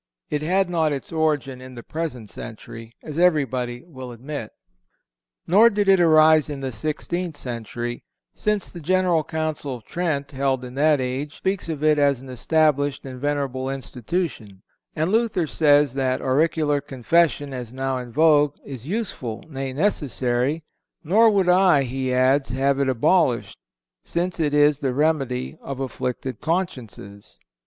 It had not its origin in the present century, as everybody will admit. Nor did it arise in the sixteenth century, since the General Council of Trent, held in that age, speaks of it as an established and venerable institution and Luther says that "auricular Confession, as now in vogue, is useful, nay, necessary; nor would I," he adds, "have it abolished, since it is the remedy of afflicted consciences."